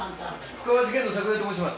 布川事件の桜井と申します。